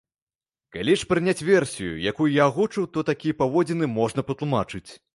Калі ж прыняць версію, якую я агучыў, то такія паводзіны можна патлумачыць.